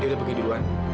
dia udah pergi duluan